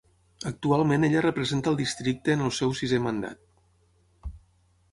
Actualment ella representa el districte en el seu sisè mandat.